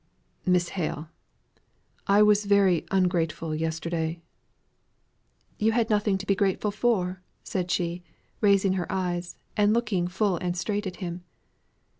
"Miss Hale, I was very ungrateful yesterday " "You had nothing to be grateful for," said she raising her eyes, and looking full and straight at him.